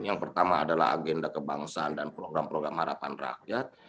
yang pertama adalah agenda kebangsaan dan program program harapan rakyat